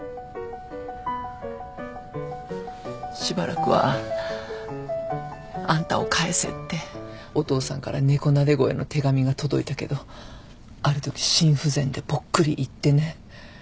しばらくはあんたを返せってお父さんから猫なで声の手紙が届いたけどあるとき心不全でぽっくり逝ってね。